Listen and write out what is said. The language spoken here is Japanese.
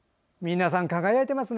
皆さん輝いていますね！